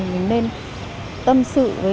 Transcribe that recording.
mình nên tâm sự với